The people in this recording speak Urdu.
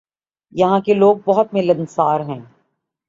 یہاں کے لوگ بہت ملنسار تھے ۔